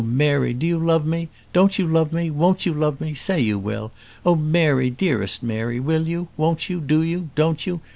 Mary; do you love me? Don't you love me? Won't you love me? Say you will. Oh, Mary, dearest Mary, will you? won't you? do you? don't you?